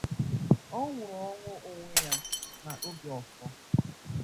ọ nwụọrọ onwe ya n'obi òfò.